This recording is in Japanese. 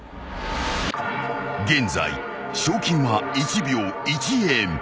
［現在賞金は１秒１円］